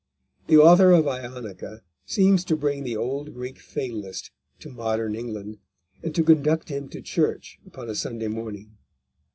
The author of Ionica seems to bring the old Greek fatalist to modern England, and to conduct him to church upon a Sunday morning.